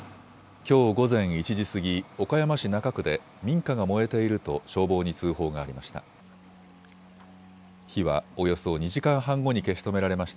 きょう午前１時過ぎ、岡山市中区で民家が燃えていると消防に通報がありました。